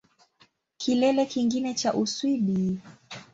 Kilele kingine cha Uswidi